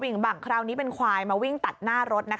่งบังคราวนี้เป็นควายมาวิ่งตัดหน้ารถนะคะ